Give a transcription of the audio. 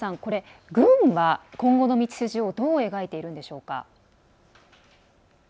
軍は、今後の道筋をどう描いているんでしょうか。